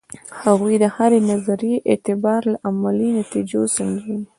هغوی د هرې نظریې اعتبار له عملي نتیجو سنجوي.